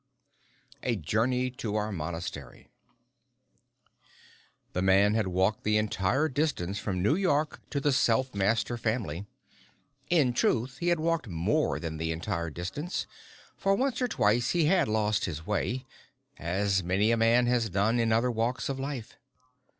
_ A Journey to our Monastery The man had walked the entire distance from New York to the Self Master Family. In truth, he had walked more than the entire distance, for once or twice he had lost his way as many a man has done in other walks of Life.